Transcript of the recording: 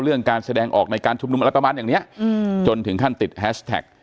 การแสดงออกในการชุมนุมอะไรประมาณอย่างเนี้ยจนถึงขั้นติดแฮชแท็ก